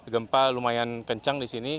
gempa lumayan kencang disini